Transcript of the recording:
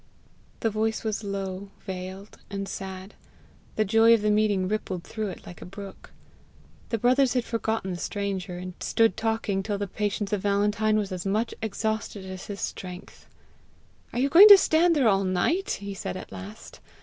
The voice was low, veiled, and sad; the joy of the meeting rippled through it like a brook. The brothers had forgotten the stranger, and stood talking till the patience of Valentine was as much exhausted as his strength. "Are you going to stand there all night?" he said at last.